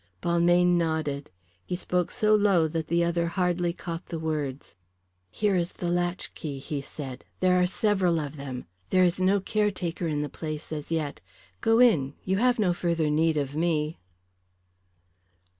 Balmayne nodded. He spoke so low that the other hardly caught the words. "Here is the latchkey," he said. "There are several of them. There is no caretaker in the place as yet. Go in, you have no further need of me."